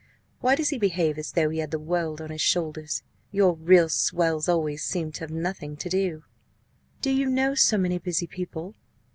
Why does he behave as though he had the world on his shoulders? Your real swells always seem to have nothing to do." "Do you know so many busy people?"